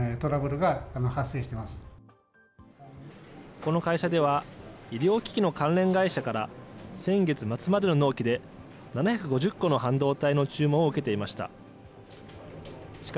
この会社では、医療機器の関連会社から先月末までの納期で７５０個の半導体の注文を受けていました。